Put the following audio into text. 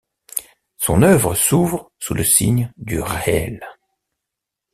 Son œuvre s'ouvre sous le signe du réel.